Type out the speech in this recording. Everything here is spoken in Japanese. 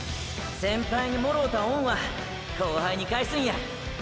先輩にもろうた恩は後輩に返すんや。